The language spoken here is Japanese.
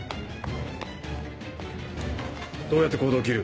どうやってコードを切る？